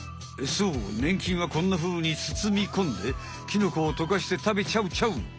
そうねん菌はこんなふうにつつみこんでキノコをとかして食べちゃうちゃう！